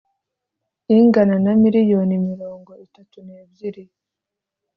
Ingana na miliyoni mirongo itatu n ebyiri